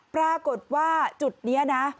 ปรากฏว่าจุดนี้นะ